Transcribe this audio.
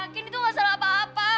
candy tuh gak salah apa apa